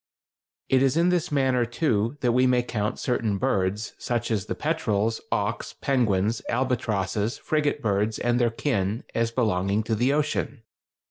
It is in this manner, too, that we may count certain birds, such as the petrels, auks, penguins, albatrosses, frigate birds, and their kin, as belonging to the ocean.